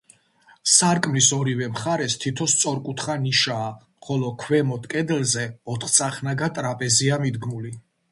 სარკმლის ორივე მხარეს თითო სწორკუთხა ნიშაა, ხოლო ქვემოთ კედელზე ოთხწახნაგა ტრაპეზია მიდგმული.